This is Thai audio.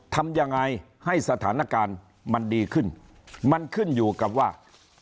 ทำยังไงให้สถานการณ์มันดีขึ้นมันขึ้นอยู่กับว่า